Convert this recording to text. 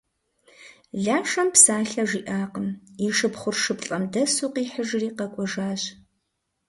Лашэм псалъэ жиӏакъым, и шыпхъур шыплӏэм дэсу къихьыжри къэкӏуэжащ.